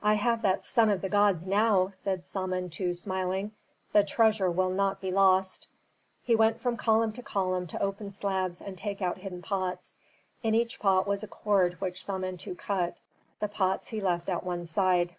"I have that son of the gods now!" said Samentu smiling. "The treasure will not be lost." He went from column to column to open slabs and take out hidden pots. In each pot was a cord which Samentu cut, the pots he left at one side.